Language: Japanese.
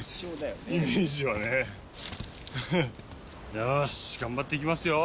よし頑張っていきますよ。